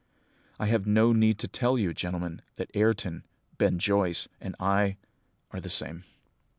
"I have no need to tell you, gentlemen, that Ayrton, Ben Joyce, and I, are the same."